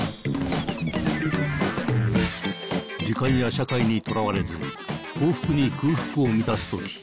時間や社会にとらわれず幸福に空腹を満たすとき